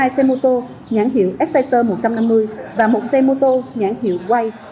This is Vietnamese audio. hai xe mô tô nhãn hiệu exciter một trăm năm mươi và một xe mô tô nhãn hiệu quay